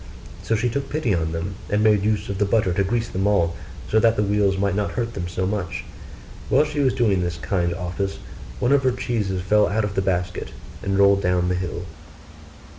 So she took pity on them, and made use of the butter to grease them all, so that the wheels might not hurt them so much. While she was doing this kind office one of her cheeses fell out of the basket, and rolled down the hill.